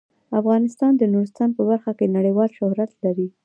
افغانستان د نورستان په برخه کې نړیوال شهرت لري.